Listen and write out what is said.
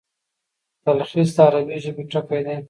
تلخیص د عربي ژبي ټکی دﺉ.